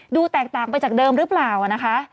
ดูแตกต่างไปจากเดิมหรือเปล่านะคะ